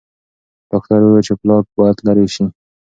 ډاکټر وویل چې پلاک باید لرې شي.